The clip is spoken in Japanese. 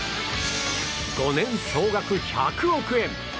５年総額１００億円。